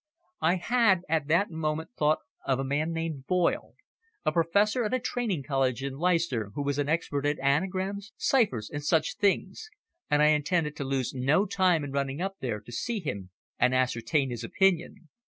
I had at that moment thought of a man named Boyle, a professor at a training college in Leicester who was an expert at anagrams, ciphers, and such things, and I intended to lose no time in running up there to see him and ascertain his opinion.